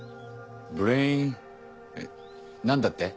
ブレイン何だって？